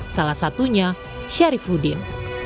salah satunya syarif udin